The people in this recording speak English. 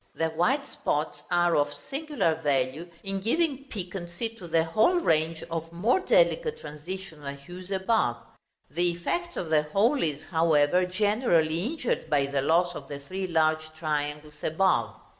The white spots are of singular value in giving piquancy to the whole range of more delicate transitional hues above. The effect of the whole is, however, generally injured by the loss of the three large triangles above.